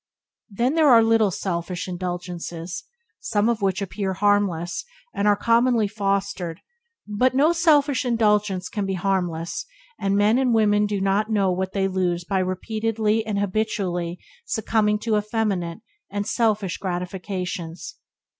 Then there are little selfish indulgences, some of which appear harmless, and are commonly fostered; but no selfish indulgence can be harmless, and men and women do not know what they lose by repeatedly and habitually succumbing to effeminate and selfish gratifications.